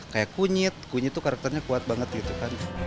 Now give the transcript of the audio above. kayak kunyit kunyit tuh karakternya kuat banget gitu kan